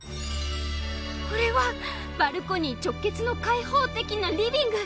これはバルコニー直結の開放的なリビング！